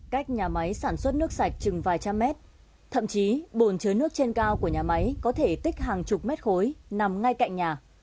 cách nhà máy sản xuất nước sạch chừng vài trăm mét thậm chí bồn chứa nước trên cao của nhà máy có thể tích hàng chục mét khối nằm ngay cạnh nhà